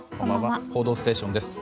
「報道ステーション」です。